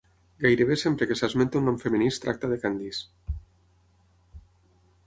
Gairebé sempre que s'esmenta un nom femení es tracta de Candice.